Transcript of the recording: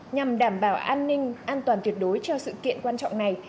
nhằm đảm bảo an ninh an toàn tuyệt đối cho sự kiện quan trọng này